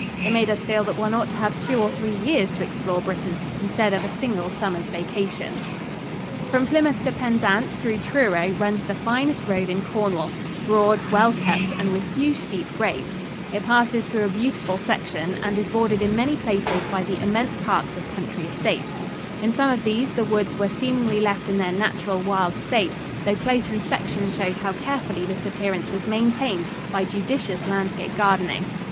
It made us feel that one ought to have two or three years to explore Britain instead of a single summer's vacation. [Illustration: ROCKS OFF CORNWALL. From Painting by Warne Browne. Exhibited 1906 Royal Academy.] From Plymouth to Penzance through Truro runs the finest road in Cornwall, broad, well kept and with few steep grades. It passes through a beautiful section and is bordered in many places by the immense parks of country estates. In some of these the woods were seemingly left in their natural wild state, though close inspection showed how carefully this appearance was maintained by judicious landscape gardening.